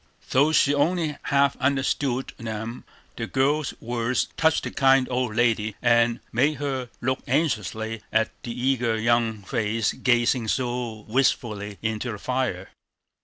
Though she only half understood them, the girl's words touched the kind old lady, and made her look anxiously at the eager young face gazing so wistfully into the fire.